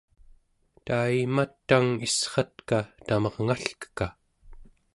tayima tang issratka tamarngalkeka